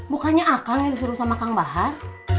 bukannya akal yang disuruh sama kang bahar